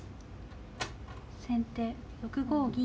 先手６五銀。